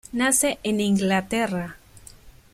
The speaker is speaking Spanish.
Nace en Inglaterra.